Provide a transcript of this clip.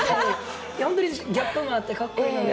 いや、本当にギャップもあってかっこいいので。